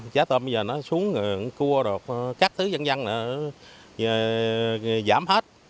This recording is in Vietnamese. giá tôm bây giờ nó xuống cua các thứ dân dân giảm hết